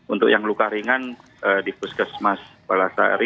untuk yang luka ringan di puskesmas balasari